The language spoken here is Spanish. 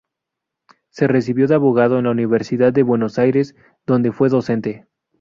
Se recibió de abogado en la Universidad de Buenos Aires, donde fue docente.